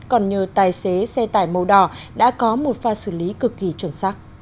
còn nhờ tài xế xe tải màu đỏ đã có một pha xử lý cực kỳ chuẩn xác